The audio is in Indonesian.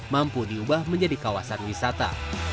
mampu diubah menjadi kawasan wisata